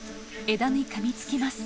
枝にかみつきます。